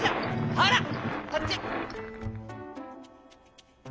ほらこっち。